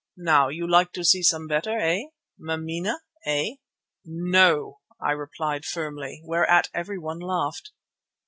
Now you like to see some better, eh? Mameena, eh?" "No," I replied firmly, whereat everyone laughed.